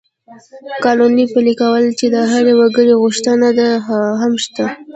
د قانون پلي کول چې د هر وګړي غوښتنه ده، هم شته.